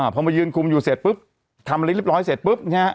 พอมายืนคุมอยู่เสร็จปุ๊บทำอะไรเรียบร้อยเสร็จปุ๊บ